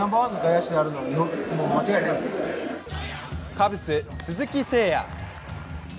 カブス・鈴木誠也。